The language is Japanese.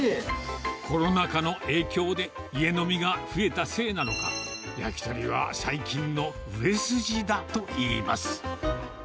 コロナ禍の影響で、家飲みが増えたせいなのか、焼き鳥は最近の売れ筋だといいます。